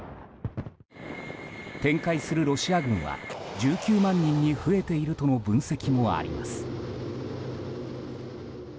展開するロシア軍は１９万人に増えているとの分析もあります。